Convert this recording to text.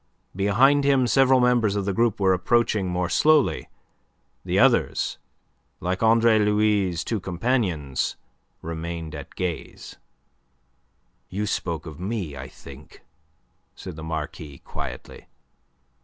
Behind him several members of the group were approaching more slowly. The others like Andre Louis' two companions remained at gaze. "You spoke of me, I think," said the Marquis quietly.